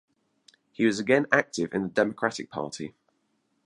He was again active in the Democratic Party.